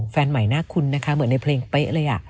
แฟนใหม่น่าคุ้นนะคะเหมือนในเพลงเป๊ะเลย